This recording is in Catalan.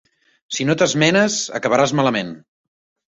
Si no t'esmenes, acabaràs malament.